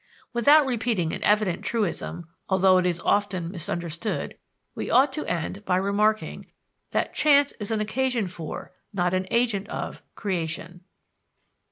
Without repeating an evident truism, although it is often misunderstood, we ought to end by remarking that chance is an occasion for, not an agent of, creation.